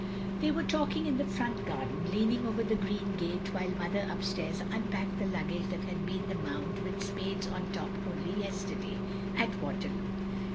They were talking in the front garden, leaning over the green gate while Mother upstairs unpacked the luggage that had been the mound with spades on top only yesterday, at Waterloo.